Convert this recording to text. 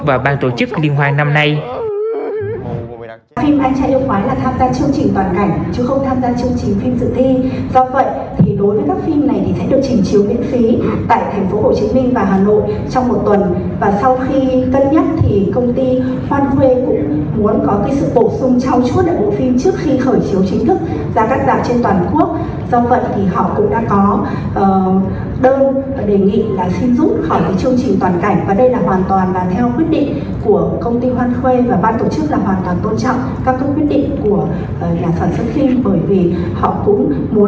và có lẽ đối với công ty hoan khuê thì họ sẽ trung trọng cái kế hoạch như vậy hơn